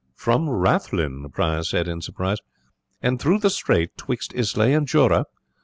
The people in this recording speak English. "From Rathlin!" the prior said in surprise, "and through the strait 'twixt Islay and Jura!